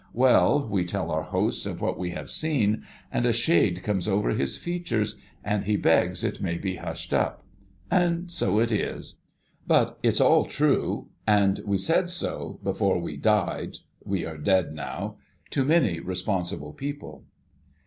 Well ! we tell our host of what we have seen, and a shade comes over his features, and he begs it may be hushed up ; and so it is. But, it's all true ; and we said so, before we died (we are dead now) to many responsible people.